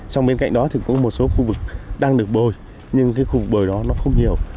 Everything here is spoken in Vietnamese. xong bên cạnh đó thì có một số khu vực đang được bồi nhưng khu vực bồi đó không nhiều